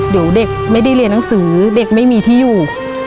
เดี๋ยวเด็กไม่ได้เรียนหนังสือเด็กไม่มีที่อยู่